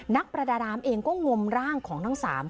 นักประดารามเองก็งวมร่างของทั้งสาม